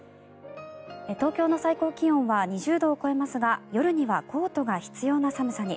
東京の最高気温は２０度を超えますが夜にはコートが必要な寒さに。